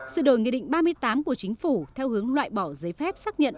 sự đổi nghị định ba mươi tám của chính phủ theo hướng loại bỏ giấy phép xác nhận